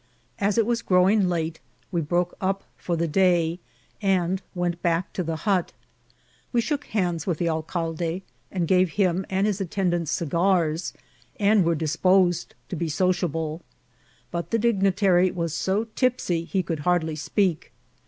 As it was growing late, we broke up for the day, and went back to the hut. We shook hands vnth the al calde, and gave him and his attendants cigars, and were disposed to be sociable ; but the dignitary vtras so tipsy he could hardly speak.